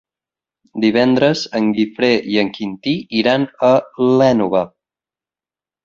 Divendres en Guifré i en Quintí iran a l'Énova.